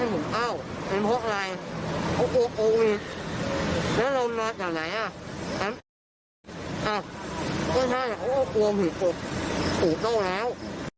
สูบนึงแล้ว